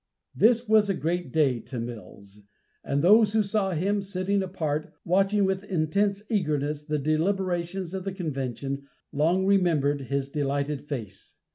This was a great day to Mills, and those who saw him, sitting apart, watching with intense eagerness the deliberations of the convention, long remembered his delighted face.